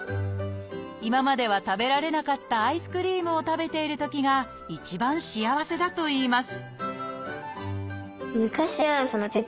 今までは食べられなかったアイスクリームを食べているときが一番幸せだといいます